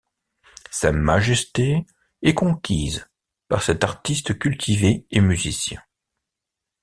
Sa Majesté est conquise par cet artiste cultivé et musicien.